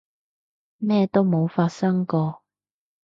咩都冇發生過